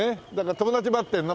友達待ってるの？